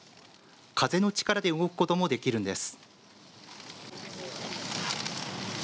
風の力で動くこともできるんです。